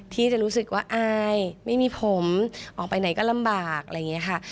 ที่จะรู้สึกว่าอายไม่มีผมออกไปไหนก็ลำบากอะไรอย่างนี้ค่ะ